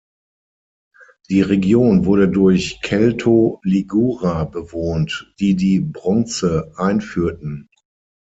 Die Region wurde durch Kelto-Ligurer bewohnt, die die Bronze einführten.